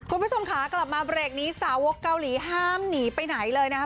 คุณผู้ชมค่ะกลับมาเบรกนี้สาวกเกาหลีห้ามหนีไปไหนเลยนะครับ